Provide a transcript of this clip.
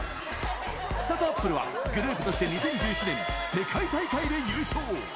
ちさとあっぷるは、グループとして２０１７年、世界大会で優勝。